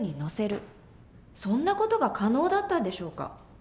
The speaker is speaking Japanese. そんな事が可能だったんでしょうか？